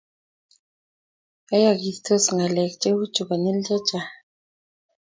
yayagistos ngalek cheuchu konyil chachang